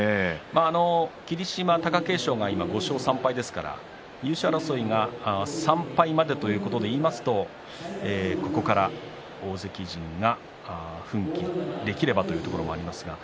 霧島、貴景勝が今５勝３敗ですから、優勝争いが３敗までということで言いますとここから、大関陣が奮起できればというところもあります。